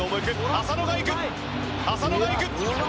浅野が行く！